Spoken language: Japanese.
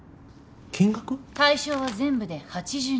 対象は全部で８２軒。